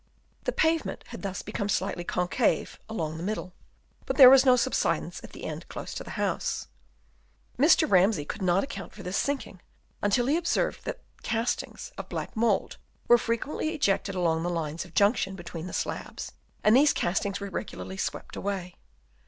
The pave ment had thus become slightly concave along the middle ; but there was no subsidence at the end close to the house. Mr. Ramsay Chap. IV. OF ANCIENT BUILDINGS. 195 could not account for this sinking, until he observed that castings of black mould were frequently ejected along the lines of junction between the slabs ; and these castings were regularly swept away.